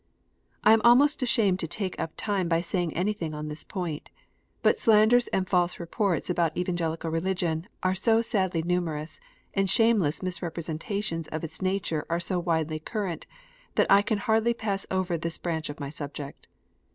I am almost ashamed to take up time by saying anything on this point. But slanders and false reports about Evangelical Religion are so sadly numerous, and shameless misrepresentations of its nature are so widely current, that I can hardly pass over this branch of my subject.